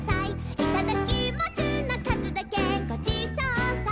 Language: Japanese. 「いただきますのかずだけごちそうさま」